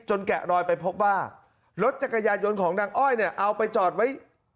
แกะรอยไปพบว่ารถจักรยายนต์ของนางอ้อยเนี่ยเอาไปจอดไว้